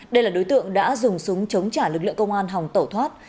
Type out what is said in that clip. đây là đối tượng đã dùng súng chống trả lực lượng công an hòng tẩu thoát